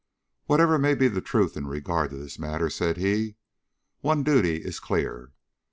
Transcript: "Whatever may be the truth in regard to this matter," said he, "one duty is clear.